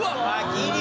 ギリ。